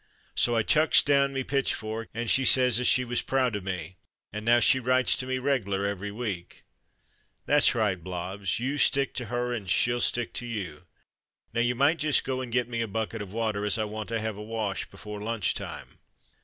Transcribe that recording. " So I chucks down me pitchfork and she says as she was proud o' me, and now she writes to me reg'lar every week. /.• That's right, Blobbs. You stick to her and she'll stick to you. Now you might just 58 From Mud to Mufti go and get me a bucket of water as I want to have a wash before lunch time.